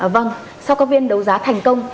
vâng sau các viên đấu giá thành công